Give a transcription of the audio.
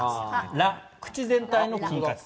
「ラ」、口全体の筋活。